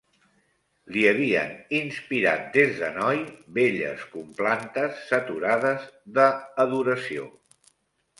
Li havien inspirat des de noi belles complantes saturades de adoració